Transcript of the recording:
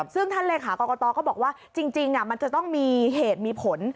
ซึ่งท่านเลขากรกตก็บอกว่าจริงมันจะต้องมีเหตุมีผล